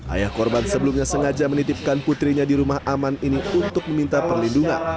ayah korban sebelumnya sengaja menitipkan putrinya di rumah aman ini untuk meminta perlindungan